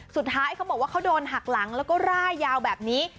เขาบอกว่าเขาโดนหักหลังแล้วก็ร่ายยาวแบบนี้